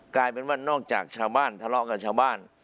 กลายเป็นว่านอกจากชาวบ้านทะเลาะกับชาวบ้าน